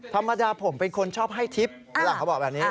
ธรรมดาผมเป็นคนชอบให้ทริปหรือเปล่าเขาบอกแบบนี้